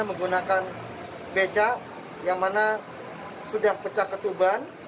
menggunakan beca yang mana sudah pecah ketuban